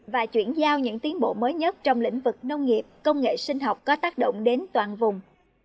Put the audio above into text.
và chuyển giao những tiến bộ mới nhất trong lĩnh vực nông nghiệp công nghệ sinh học có tác động đến toàn vùng